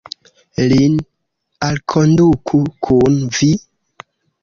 Lin alkonduku kun vi.